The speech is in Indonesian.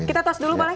kita tos dulu boleh